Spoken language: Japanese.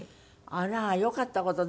あらよかったこと。